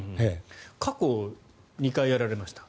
過去、２回やられました。